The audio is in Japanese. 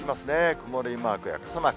曇りマークや傘マーク。